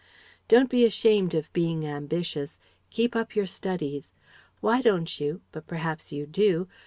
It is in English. Don't be ashamed of being ambitious: keep up your studies. Why don't you but perhaps you do?